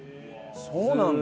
そうなんだ。